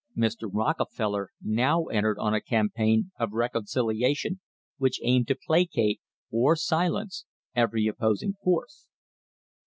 Mr. Rockefeller now entered on a campaign of reconciliation which aimed to pla cate, or silence, every opposing force.